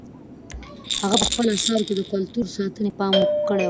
هغه په خپلو اثارو کې د کلتور ساتنې ته پام کړی و.